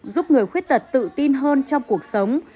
giúp người khuyết tật tự tin hơn trong cuộc sống